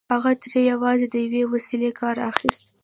هغه ترې یوازې د یوې وسيلې کار اخيست